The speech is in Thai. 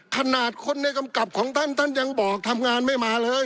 ขนาดคนในกำกับของท่านท่านยังบอกทำงานไม่มาเลย